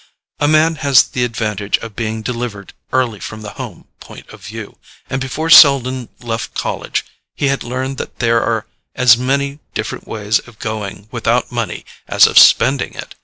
A man has the advantage of being delivered early from the home point of view, and before Selden left college he had learned that there are as many different ways of going without money as of spending it.